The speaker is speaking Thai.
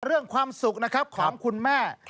เรื่องความสุขของคุณแม่